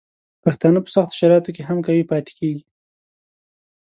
پښتانه په سختو شرایطو کې هم قوي پاتې کیږي.